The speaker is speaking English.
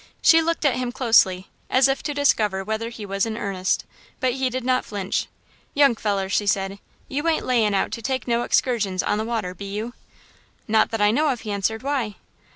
She looked at him closely, as if to discover whether he was in earnest, but he did not flinch. "Young feller," she said, "you ain't layin' out to take no excursions on the water, be you?" "Not that I know of," he answered, "why?"